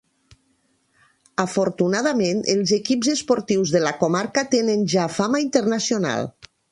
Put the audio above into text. Afortunadament els equips esportius de la comarca tenen ja fama internacional.